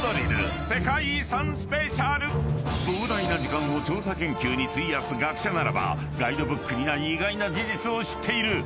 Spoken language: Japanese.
膨大な時間を調査研究に費やす学者ならば意外な事実を知っている。